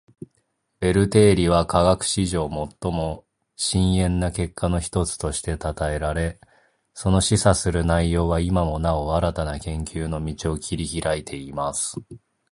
ベル定理は科学史上最も深遠な結果の一つとして讃えられ，その示唆する内容は今もなお新たな研究の道を切り拓いています．